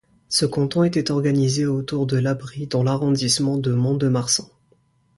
Ce canton était organisé autour de Labrit dans l'arrondissement de Mont-de-Marsan.